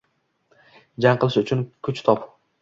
jang qilish uchun kuch top »